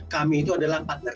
kami itu adalah partner